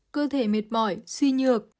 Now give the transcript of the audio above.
cơ thể mệt mỏi suy nhược